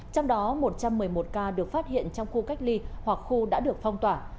trong đó một trăm một mươi một ca được phát hiện trong khu cách ly hoặc khu đã được phong tỏa